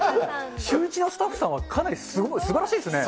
シューイチのスタッフさんは、かなりすばらしいですね。